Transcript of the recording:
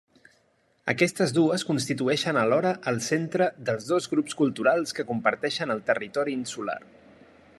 Aquestes dues constitueixen alhora el centre dels dos grups culturals que comparteixen el territori insular.